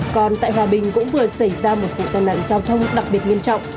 còn tại hòa bình cũng vừa xảy ra một vụ tai nạn giao thông đặc biệt nghiêm trọng